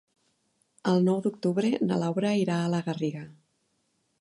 El nou d'octubre na Laura irà a la Garriga.